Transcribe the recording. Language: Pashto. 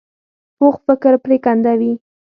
پوخ فکر پرېکنده وي